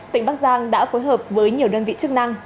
tỉnh bắc giang đã phối hợp với nhiều đơn vị chức năng